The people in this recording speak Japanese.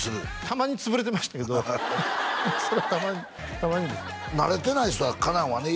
たまに潰れてましたけどそれはたまにたまにです慣れてない人はかなわんね